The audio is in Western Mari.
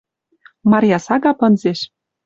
Марья сага пынзеш